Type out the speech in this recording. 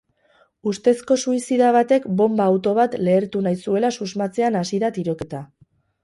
Ustezko suizida batek bonba-auto bat lehertu nahi zuela susmatzean hasi da tiroketa.